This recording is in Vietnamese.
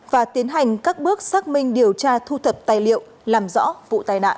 và tiến hành các bước xác minh điều tra thu thập tài liệu làm rõ vụ tai nạn